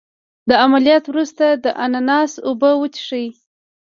د عملیات وروسته د اناناس اوبه وڅښئ